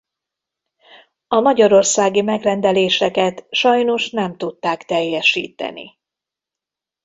A magyarországi megrendeléseket sajnos nem tudták teljesíteni.